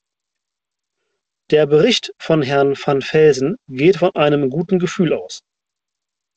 Der Bericht von Herrn van Velzen geht von einem guten Gefühl aus.